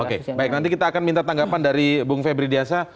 oke baik nanti kita akan minta tanggapan dari bung febri diasa